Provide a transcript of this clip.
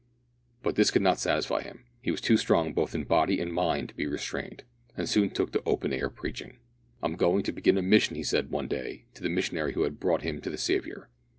But this could not satisfy him. He was too strong both in body and mind to be restrained, and soon took to open air preaching. "I'm going to begin a mission," he said, one day, to the missionary who had brought him to the Saviour.